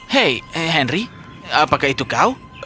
hei henry apakah itu kau